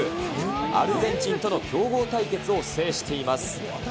アルゼンチンとの強豪対決を制しています。